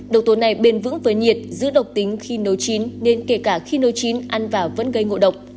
độc tố này bền vững với nhiệt giữ độc tính khi nấu chín nên kể cả khi nấu chín ăn vào vẫn gây ngộ độc